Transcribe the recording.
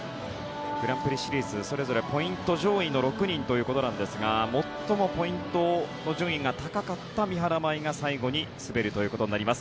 グランプリシリーズそれぞれポイント上位の６人ということですが最もポイントの順位が高かった三原舞依が最後に滑ることになります。